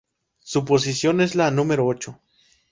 Su posición es la de número ocho.